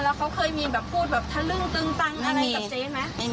แล้วเขาเคยมีแบบพูดแบบทะลึ่งตึงตังอะไรกับเจ๊ไหม